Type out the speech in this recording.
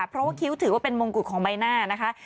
เพราะว่าคิ้วถือว่าเป็นมงกุฎของใบหน้านะคะ